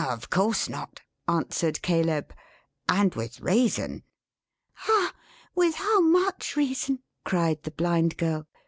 "Of course not," answered Caleb. "And with reason." "Ah! With how much reason!" cried the Blind Girl.